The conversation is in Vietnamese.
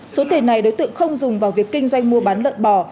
số tiền này đối tượng không dùng vào việc kinh doanh mua bán lợn bò